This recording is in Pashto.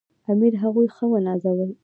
امیر هغوی ښه ونازول.